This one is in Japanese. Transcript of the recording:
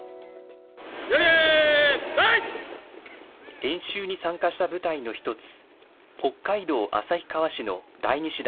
演習に参加した部隊の一つ、北海道旭川市の第２師団。